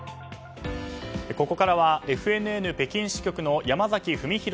ここからはＦＮＮ北京支局の山崎文博